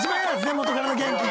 元カレの「元気？」。